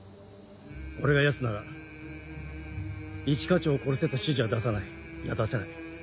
俺がヤツなら一課長を殺せと指示は出さないいや出せない。